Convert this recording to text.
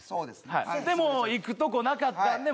はいでも行くとこなかったんで